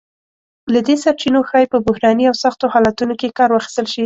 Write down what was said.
له دې سرچینو ښایي په بحراني او سختو حالتونو کې کار واخیستل شی.